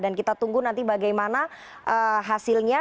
dan kita tunggu nanti bagaimana hasilnya